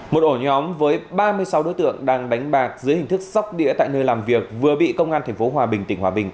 một ổ nhóm với ba mươi sáu đối tượng đang đánh bạc dưới hình thức sóc đĩa tại nơi làm việc vừa bị công an tp hòa bình tỉnh hòa bình